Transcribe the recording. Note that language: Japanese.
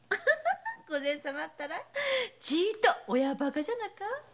御前様ったらちいっと親ばかじゃなか？